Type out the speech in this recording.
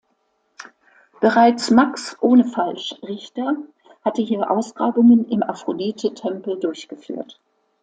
Bereits Max Ohnefalsch-Richter hatte hier Ausgrabungen im Aphrodite-Tempel durchgeführt.